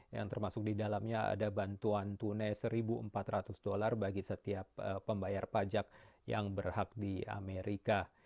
yang termasuk di dalamnya ada bantuan tunai satu empat ratus dolar bagi setiap pembayar pajak yang berhak di amerika